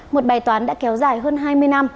một bài toán đã kéo dài hơn hai mươi năm